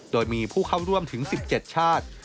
โดยมีผู้เข้าร่วมถึง๑๗ชาติ